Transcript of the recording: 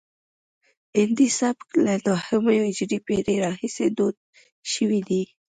هندي سبک له نهمې هجري پیړۍ راهیسې دود شوی دی